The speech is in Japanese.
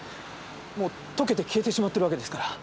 もう溶けて消えてしまってるわけですから。